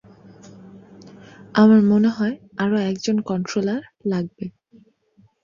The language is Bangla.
আমার মনে হয়, আরো একজন কন্ট্রোলার লাগবে।